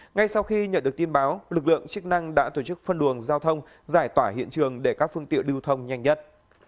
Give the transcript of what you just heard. ngay sau khi nhận được tin báo lực lượng chức năng đã tổ chức phân luồng giao thông giải tỏa hiện trường để các phương tiện lưu thông nhanh nhất